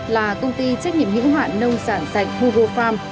là công ty trách nhiệm hữu hoạn nông sản sạch hugo farm